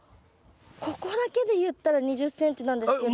ここだけで言ったら２０ｃｍなんですけど。